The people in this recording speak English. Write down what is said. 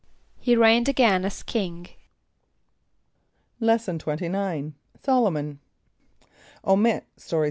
=He reigned again as king.= Lesson XXIX. Solomon. (Omit Story 16.